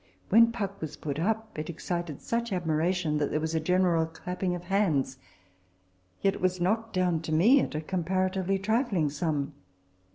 When Puck was put up, it excited such admiration that there was a general clapping of hands : yet it was knocked down to me io RECOLLECTIONS OF THE at a comparatively trifling price.